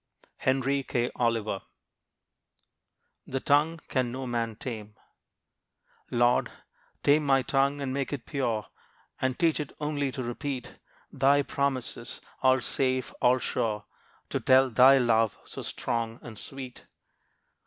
Henry K. Oliver. The Tongue Can No Man Tame Lord, tame my tongue, and make it pure, And teach it only to repeat Thy promises, all safe, all sure; To tell thy love, so strong and sweet.